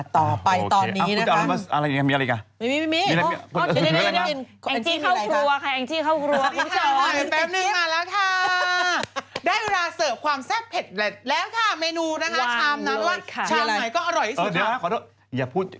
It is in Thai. ต่อไปตอนนี้นะคะ